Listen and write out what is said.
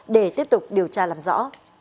để tiếp tục điều tra làm rõ